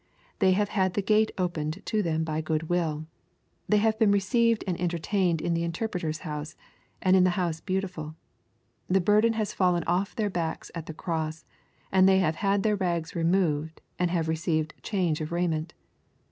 They have had the gate opened to them by Goodwill. They have been received and entertained in the Interpreter's House, and in the House Beautiful. The burden has fallen off their backs at the cross, and they have had their rags removed and have received change of raiment.